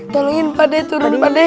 tolongin pak deh turun